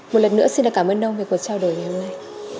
một lần nữa xin cảm ơn ông về cuộc trao đổi ngày hôm nay